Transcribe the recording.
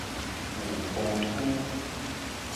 霧峰區